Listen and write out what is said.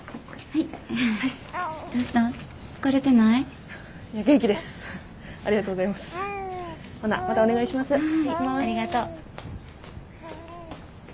はいありがとう。